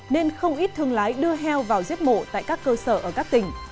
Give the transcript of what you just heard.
nên không ít thương lái đưa heo vào giết mổ tại các cơ sở ở các tỉnh